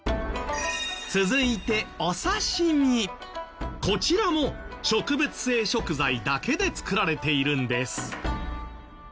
続いてこちらも植物性食材だけで作られているんです。